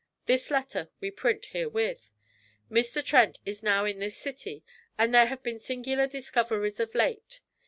This letter we print herewith. Mr. Trent is now in this city, and there have been singular discoveries of late.